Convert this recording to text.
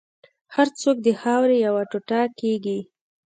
هر څوک د خاورې یو ټوټه کېږي.